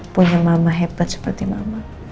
punya mama hebat seperti mama